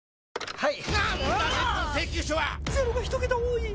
はい！